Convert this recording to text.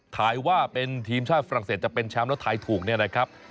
ถ่ายว่าเป็นทีมชาติฝรั่งเศสจะเป็นแชมป์แล้วถ่ายถูกเนี่ยนะครับ